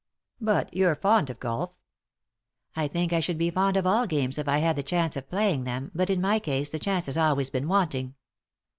" But you're fond of golf ?"" I think I should be fond of all games if I had the chance of playing them, but, in my case, the chance has always been wanting."